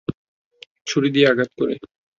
ছুরি দিয়ে আঘাত করে।